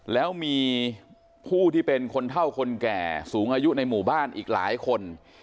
แล้วมีผู้ที่เป็นคนเท่าคนแก่สูงอายุในหมู่บ้านอีกหลายคน